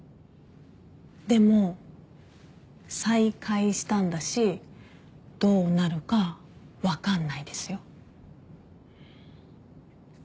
でも再会したんだしどうなるか分かんないですよ。